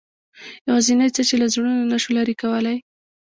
یوازینۍ څه چې له زړونو نه شو لرې کولای.